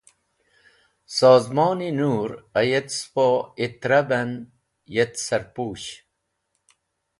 Sozmon-e Nur, ayet spo ITREC en yet sarpush.